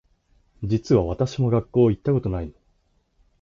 実は私も学校行ったことないの